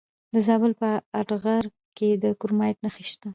د زابل په اتغر کې د کرومایټ نښې شته.